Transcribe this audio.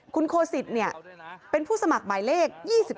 คุณโคสิตเป็นผู้สมัครหมายเลข๒๓